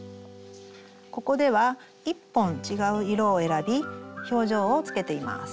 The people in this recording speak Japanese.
ここでは１本違う色を選び表情をつけています。